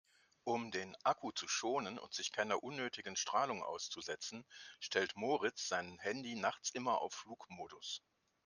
Um den Akku zu schonen und sich keiner unnötigen Strahlung auszusetzen, stellt Moritz sein Handy nachts immer auf Flugmodus.